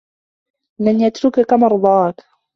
لن يتركك مرضاك.